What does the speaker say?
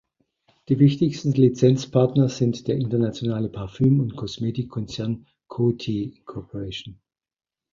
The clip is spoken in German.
Die wichtigsten Lizenzpartner sind der internationale Parfüm- und Kosmetikkonzern Coty, Inc.